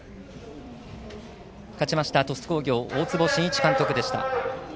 勝ちました、鳥栖工業大坪慎一監督でした。